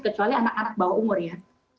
kecuali anak anak bawah umur ya